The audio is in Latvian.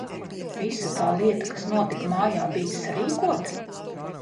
Visa tā lieta, kas notika mājā, bija sarīkota?